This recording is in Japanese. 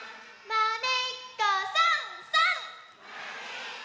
「まねっこさんさん」